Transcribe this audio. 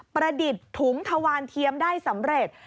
ประดิษฐ์ถุงทวานเทียมได้สำเร็จ